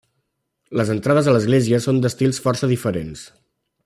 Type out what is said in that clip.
Les entrades a l'església són d'estils força diferents.